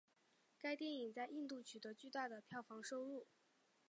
该电影在印度取得巨大的票房收入。